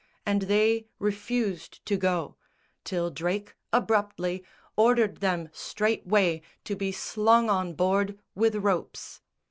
And they refused to go, till Drake abruptly Ordered them straightway to be slung on board With ropes.